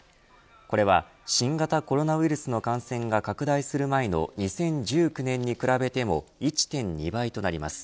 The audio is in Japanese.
これは新型コロナウイルスの感染が拡大する前の２０１９年に比べても１．２倍となります。